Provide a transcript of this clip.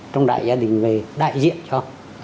trong đại gia đình về đại diện cho